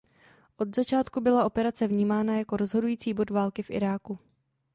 Od začátku byla operace vnímána jako rozhodující bod války v Iráku.